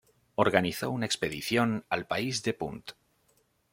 Organizó una expedición al país de Punt.